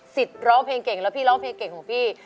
ร้องเพลงเก่งแล้วพี่ร้องเพลงเก่งของพี่